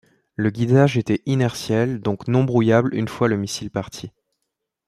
Le guidage était inertiel donc non brouillable une fois le missile parti.